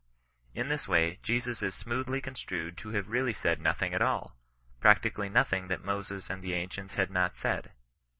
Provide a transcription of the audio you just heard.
*' In this way Jesus is smoothly construed to have really said nothing at all — practiodly nothing that Moses and the ancients had not said.